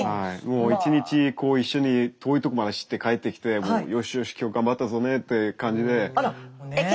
一日一緒に遠いとこまで走って帰ってきてよしよし今日頑張ったぞねって感じで。